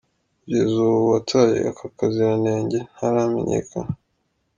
Kugeza ubu uwataye aka kaziranenge ntaramenyekana.